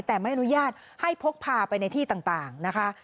แต่ไม่อนุญาตให้พกพาไปในที่ต่างนะคะ